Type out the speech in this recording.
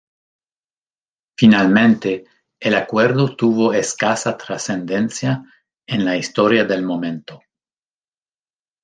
Finalmente, el acuerdo tuvo escasa trascendencia en la historia del momento.